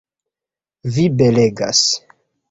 Vi belegas!